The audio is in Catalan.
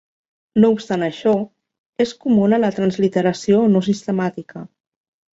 No obstant això, és comuna la transliteració no sistemàtica.